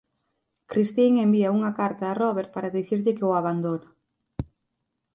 Christine envía unha carta a Robert para dicirlle que o abandona.